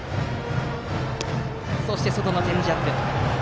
そして、外のチェンジアップ。